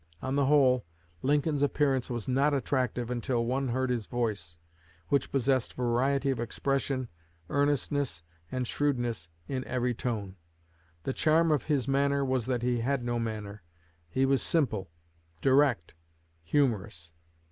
On the whole, Lincoln's appearance was not attractive until one heard his voice, which possessed variety of expression, earnestness, and shrewdness in every tone. The charm of his manner was that he had no manner; he was simple, direct, humorous.